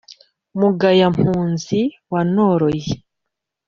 mugaya-mpunzi wa noroye,